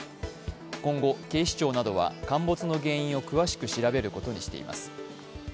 今後、警視庁などは陥没の原因を詳しく調べることにしています。